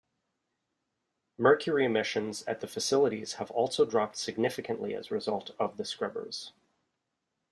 Mercury emissions at the facilities have also dropped significantly as result of the scrubbers.